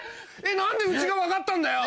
何で家が分かったんだよ。